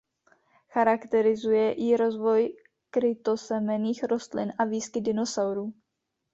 Charakterizuje ji rozvoj krytosemenných rostlin a výskyt dinosaurů.